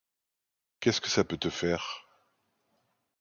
Qu'est-ce que ça peut te faire?